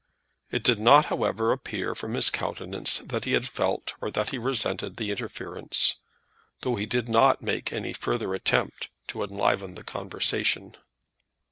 It did not, however, appear from his countenance that he had felt, or that he resented the interference; though he did not make any further attempt to enliven the conversation.